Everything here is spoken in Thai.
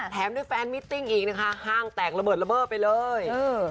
แถมด้วยแฟนมิตติ้งอีกนะคะห้างแตกระเบิดระเบิดไปเลย